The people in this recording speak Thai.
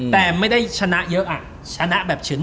แต่ไม่ได้ชนะเยอะชนะแบบเฉิน